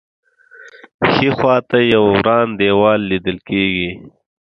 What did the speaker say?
ښی خوا ته یې یو وران دیوال لیدل کېږي.